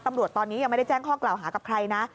ตำรวจตอนนี้ยังไม่ได้แจ้งข้อกล่าวหากับใครนะ